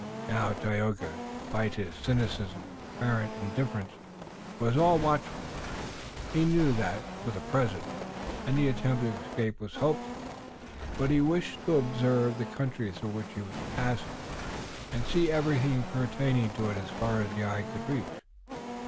Now Tayoga, despite his cynicism and apparent indifference, was all watchfulness. He knew that, for the present, any attempt to escape was hopeless, but he wished to observe the country through which he was passing, and see everything pertaining to it as far as the eye could reach.